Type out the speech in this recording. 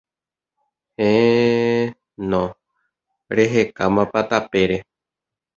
Héẽ, no. Rehekámapa tapére.